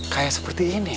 kayak seperti ini yah